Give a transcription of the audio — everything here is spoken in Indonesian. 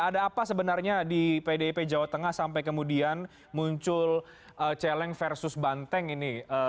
ada apa sebenarnya di pdip jawa tengah sampai kemudian muncul celeng versus banteng ini